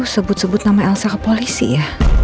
sebut sebut nama elsa polisi ya